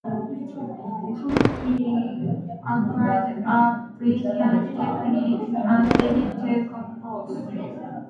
Cooke acquired a brilliant technique and began to compose.